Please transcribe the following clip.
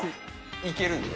いけるんで。